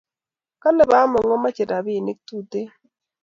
Kale bamoko mache rapinik tuten